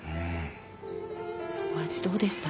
お味どうでした？